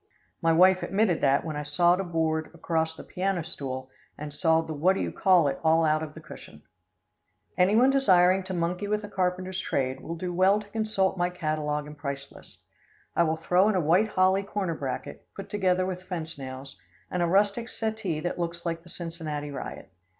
My wife admitted that when I sawed a board across the piano stool and sawed the what do you call it all out of the cushion. [Illustration: OPEN AIR EXERCISE.] Anyone desiring to monkey with the carpenter's trade, will do well to consult my catalogue and price list. I will throw in a white holly corner bracket, put together with fence nails, and a rustic settee that looks like the Cincinnati riot.